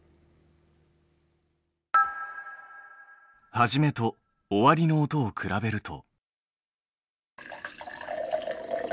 はじめとおわりの音を比べると。